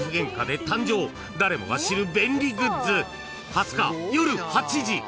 ［２０日夜８時］